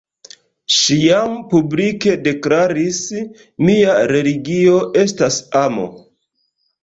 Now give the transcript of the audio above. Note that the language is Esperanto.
Ŝi jam publike deklaris, «mia religio estas amo».